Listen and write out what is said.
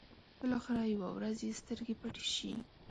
بلاخره يوه ورځ يې سترګې پټې شي.